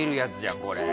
これ。